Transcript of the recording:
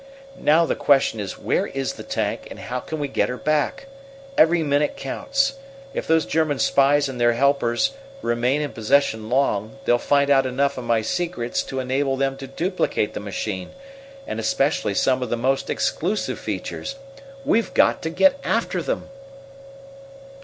"Now the question is where is the tank, and how can we get her back? Every minute counts. If those German spies and their helpers remain in possession long, they'll find out enough of my secrets to enable them to duplicate the machine, and especially some of the most exclusive features. We've got to get after 'em!"